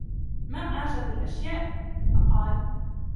مَا أَعْجَبُ الْأَشْيَاءِ ؟ فَقَالَ